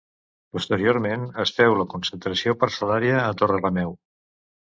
Posteriorment es féu la concentració parcel·lària a Torrelameu.